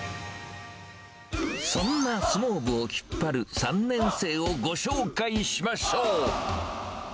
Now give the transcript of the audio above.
そんな相撲部を引っ張る３年生をご紹介しましょう。